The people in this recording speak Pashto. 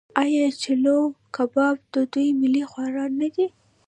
آیا چلو کباب د دوی ملي خواړه نه دي؟